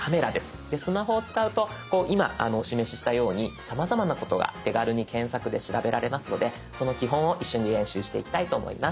スマホを使うと今お示ししたようにさまざまなことが手軽に検索で調べられますのでその基本を一緒に練習していきたいと思います。